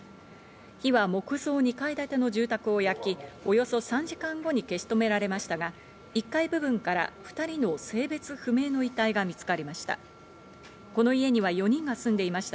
火は木造２階建ての住宅を焼き、およそ３時間後に消し止められましたが、１階部分から２人の性別不明の遺体が見つかりました。